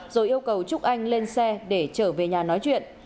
rồi yêu cầu trúc anh lên xe để trở về nhà nói chuyện